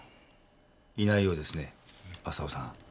いないようですね浅尾さん。